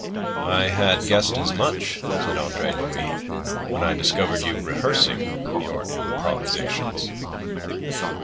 "I had guessed as much," said Andre Louis, "when I discovered you rehearsing your improvisations."